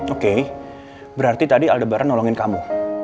oke berarti tadi aldebar nolongin kamu